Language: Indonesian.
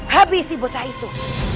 habisi bocah itu